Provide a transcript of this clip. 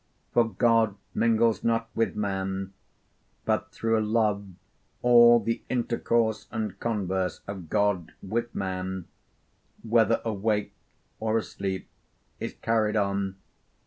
For God mingles not with man; but through Love all the intercourse and converse of God with man, whether awake or asleep, is carried on.